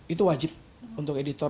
itu wajib untuk editor